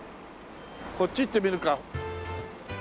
こっち行ってみるか。